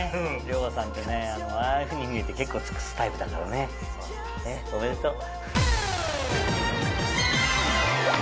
遼河さんってねああいうふうに見えて結構尽くすタイプだからねおめでとう。